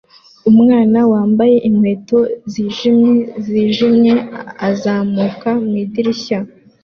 Umwana wambaye inkweto zijimye zijimye azamuka mu idirishya